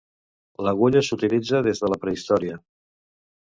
L'agulla s'utilitza des de la prehistòria.